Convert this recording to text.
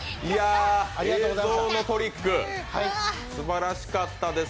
映像のトリック、すばらしかったです。